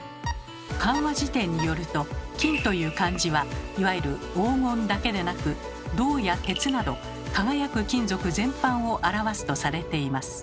漢和辞典によると「金」という漢字はいわゆる黄金だけでなく銅や鉄など輝く金属全般を表すとされています。